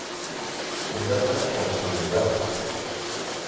Ilaq ad tḥebseḍ da.